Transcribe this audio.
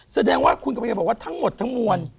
แสดงว่าคุณก็ไม่อยากบอกว่าทั้งหมดทั้งมวล